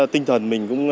tinh thần mình